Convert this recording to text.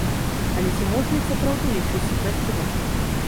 Але ці можна іх сапраўды лічыць супрацівам?